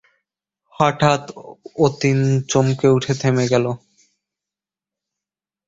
হঠাৎ অতীন চমকে উঠে থেমে গেল।